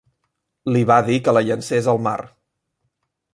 Li va dir que la llencés al mar.